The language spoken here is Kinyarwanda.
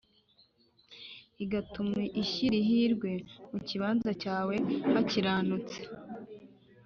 igatuma ishyira ihirwe mu kibanza cyawe hakiranutse